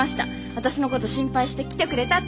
私のこと心配して来てくれたって。